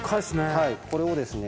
はいこれをですね